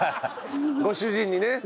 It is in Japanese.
ご主人にね